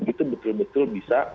itu betul betul bisa